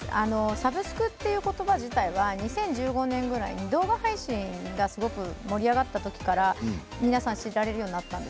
サブスクという言葉自体は２０１５年ぐらいに動画配信がすごく盛り上がった時から知られるようになりました。